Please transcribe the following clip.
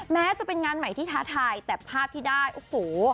แม้จะเป็นงานใหม่ที่ท้าทายแต่ภาพที่ได้โอ้โห